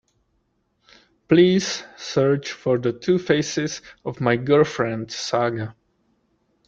Please search for the Two Faces of My Girlfriend saga.